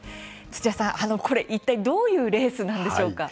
土屋さん、これ、いったいどういうレースなんでしょうか？